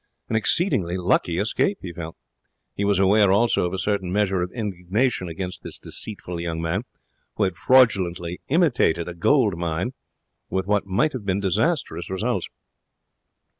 An exceedingly lucky escape, he felt. He was aware, also, of a certain measure of indignation against this deceitful young man who had fraudulently imitated a gold mine with what might have been disastrous results.